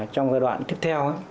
trong giai đoạn tiếp theo